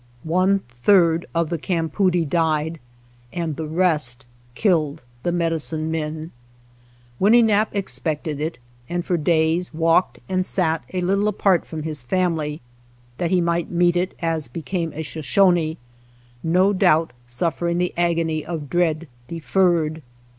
One third of the campoodie died, and the rest killed the medicine men. Winnenap' expected it, and for days walked and sat a little apart from his family that he might meet it as became a Shoshone, no doubt suffering the agony of dread deferred.